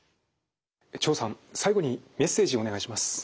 張さん最後にメッセージをお願いします。